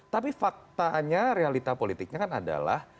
tapi faktanya realita politiknya kan adalah